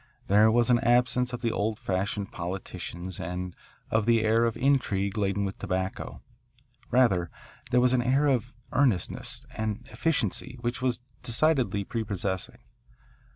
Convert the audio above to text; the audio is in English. There was an absence of the old fashioned politicians and of the air of intrigue laden with tobacco. Rather, there was an air of earnestness and efficiency which was decidedly prepossessing.